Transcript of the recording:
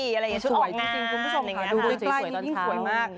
อะไรอย่างงี้ชุดออกงานอย่างงี้นะครับค่ะสวยตอนเช้าดูใกล้ยิ่งสวยมาก